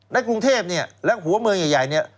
ในกรุงเทพเนี่ยและหัวเมืองใหญ่เนี่ย